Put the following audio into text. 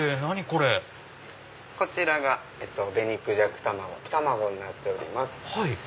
こちらが紅孔雀卵溶き卵になっております。